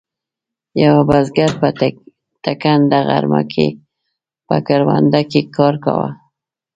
یوه بزګر په ټکنده غرمه کې په کرونده کې کار کاوه.